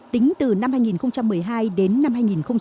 tính từ năm hai nghìn một mươi hai đến năm hai nghìn một mươi bảy